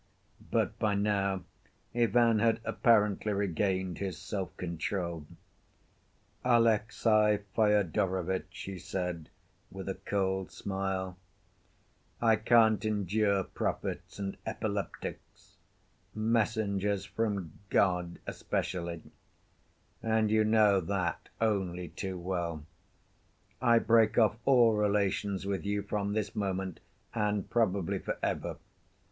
But by now Ivan had apparently regained his self‐control. "Alexey Fyodorovitch," he said, with a cold smile, "I can't endure prophets and epileptics—messengers from God especially—and you know that only too well. I break off all relations with you from this moment and probably for ever.